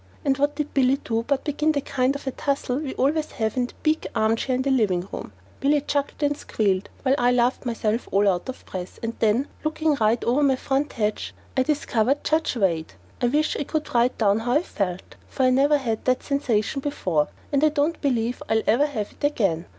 And what did Billy do but begin the kind of a tussle we always have in the big armchair in the living room! Billy chuckled and squealed, while I laughed myself all out of breath. And then, looking right over my front hedge, I discovered Judge Wade. I wish I could write down how I felt, for I never had that sensation before, and I don't believe I'll ever have it again.